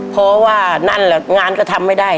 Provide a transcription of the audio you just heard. เพราะงานเขาทำไม่ได้